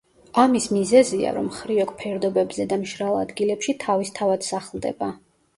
ამის მიზეზია, რომ ხრიოკ ფერდობებზე და მშრალ ადგილებში თავისთავად სახლდება.